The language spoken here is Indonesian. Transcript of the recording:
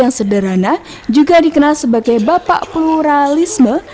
yang sederhana juga dikenal sebagai bapak pluralisme